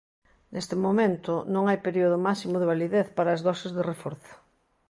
Neste momento, non hai período máximo de validez para as doses de reforzo.